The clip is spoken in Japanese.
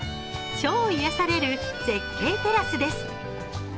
超癒やされる絶景テラスです。